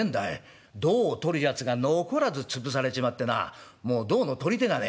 胴を取るやつが残らず潰されちまってなもう胴の取り手がねえ。